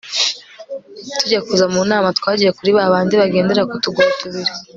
tujya kuza mu nama, twagiye kuri ba bandi bagendera ku tuguru tubiri